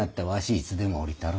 いつでも降りたるで。